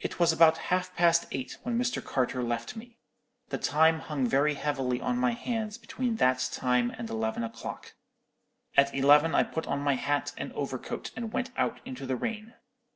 "It was about half past eight when Mr. Carter left me. The time hung very heavily on my hands between that time and eleven o'clock. At eleven I put on my hat and overcoat and went out into the rain.